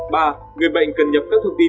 ba người bệnh cần nhập các thông tin